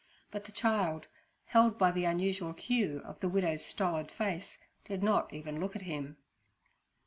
But the child, held by the unusual hue of the widow's stolid face, did not even look at him.